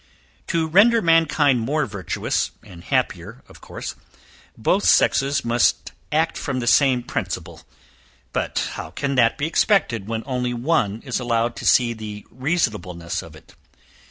To render mankind more virtuous, and happier of course, both sexes must act from the same principle; but how can that be expected when only one is allowed to see the reasonableness of it?